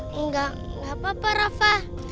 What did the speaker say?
gak gak apa apa rafa